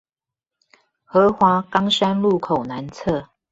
河華岡山路口南側